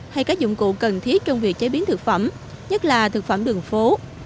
hay các dụng cụ cần thiết trong việc chế biến thực phẩm nhất là thực phẩm đường phố